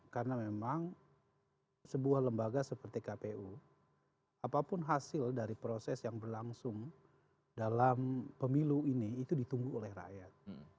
karena memang sebuah lembaga seperti kpu apapun hasil dari proses yang berlangsung dalam pemilu ini itu ditunggu oleh rakyat